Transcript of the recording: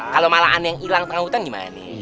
kalau malah aneh yang hilang tengah hutan gimana nih